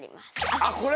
あっこれ？